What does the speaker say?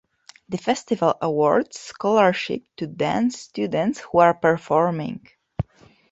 The festival awards scholarships to dance students who are performing.